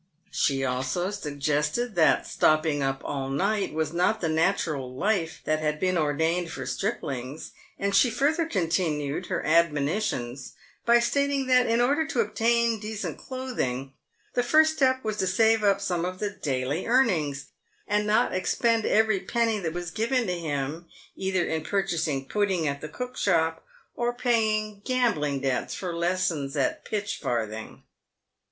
She also sug gested that stopping up all night was not the natural life that had been ordained for striplings ; and she further continued her admo nitions by stating that, in order to obtain decent clothing, the first step was to save up some of the daily earnings, and not expend every penny that was given to him, either in purchasing pudding at the cook shop, or paying gambling debts for lessons at pitch farthing.